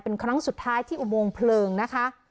เป็นครั้งสุดท้ายที่อุโมงเพลิงนะคะ